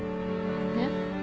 えっ？